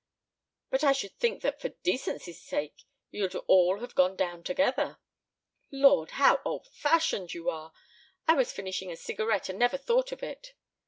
"But I should think that for decency's sake you'd all have gone down together." "Lord! How old fashioned you are. I was finishing a cigarette and never thought of it."